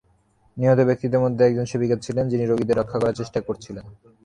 নিহত ব্যক্তিদের মধ্যে একজন সেবিকা ছিলেন, যিনি রোগীদের রক্ষা করার চেষ্টা করছিলেন।